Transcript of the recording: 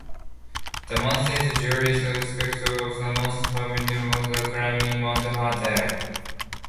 The months July through September offer the most favorable weather for climbing Mount Hartzell.